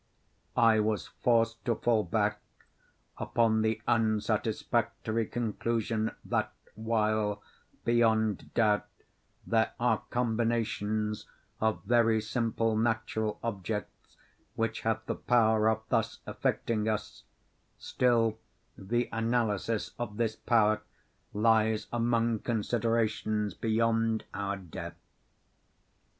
I was forced to fall back upon the unsatisfactory conclusion, that while, beyond doubt, there are combinations of very simple natural objects which have the power of thus affecting us, still the analysis of this power lies among considerations beyond our depth.